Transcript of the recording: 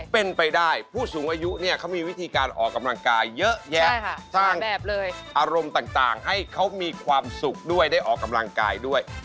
เป็นไปได้ผู้สูงอายุเนี่ยเขามีวิธีการออกกำลังกายเยอะแยะสร้างแบบเลยอารมณ์ต่างให้เขามีความสุขด้วยได้ออกกำลังกายด้วย